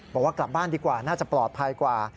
บอกว่ากลับบ้านดีกว่าน่าจะปลอดภัยกว่า